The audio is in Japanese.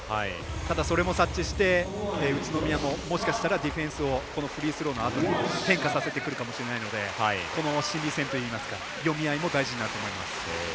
ただ、それも察知して宇都宮ももしかしたらディフェンスをこのフリースローのあとに変化させてくるかもしれないので心理戦といいますか読み合いも大事になると思います。